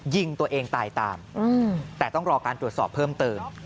ยิงตัวเองตายตามแต่ต้องรอการตรวจสอบเพิ่มเติม